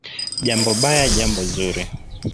"Jambo baya, jambo zuri"